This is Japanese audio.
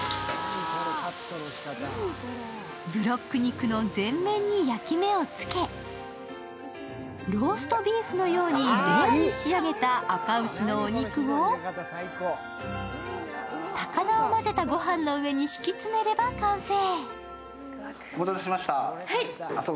ブロック肉の全面に焼き目をつけローストビーフのようにレアに仕上げたあか牛のお肉を高菜を混ぜた御飯の上に敷き詰めれば完成。